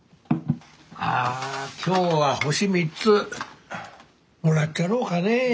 ああ今日は星３つもらっちゃろうかねえ。